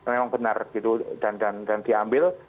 memang benar gitu dan diambil